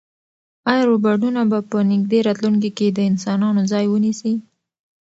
ایا روبوټونه به په نږدې راتلونکي کې د انسانانو ځای ونیسي؟